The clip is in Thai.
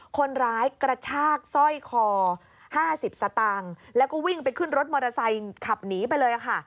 กระชากสร้อยคอ๕๐สตางค์แล้วก็วิ่งไปขึ้นรถมอเตอร์ไซค์ขับหนีไปเลยค่ะ